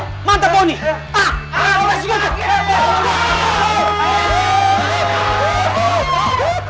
serangan balik serangan balik lo ini